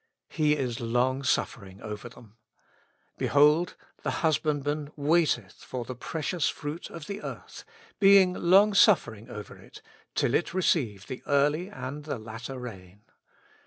"He is long suffering over them." "Behold! the husbandman waiteth for the precious fruit of the earth, being long suffering over it, till it receive the early and the latter rain."